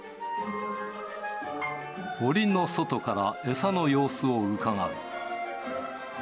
おりの外から餌の様子をうかがう。